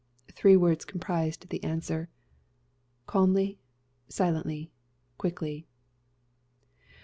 Three words comprised the answer, "_Calmly, silently, quickly.